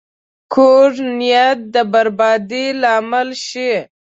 کوږ نیت د بربادۍ لامل شي